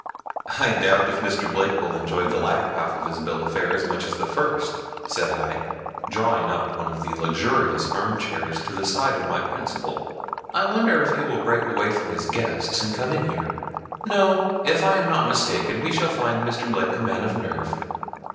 "I doubt if Mr. Blake will enjoy the latter half of his bill of fare as much as the first," said I, drawing up one of the luxurious arm chairs to the side of my principal. "I wonder if he will break away from his guests and come in here?" "No; if I am not mistaken we shall find Mr. Blake a man of nerve.